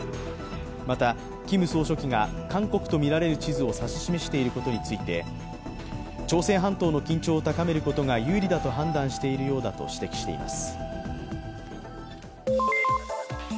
また、キム総書記が韓国とみられる地図を指し示していることについて朝鮮半島の緊張を高めることが有利だと判断しているようだと指摘しています。